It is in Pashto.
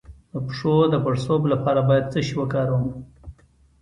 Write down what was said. د پښو د پړسوب لپاره باید څه شی وکاروم؟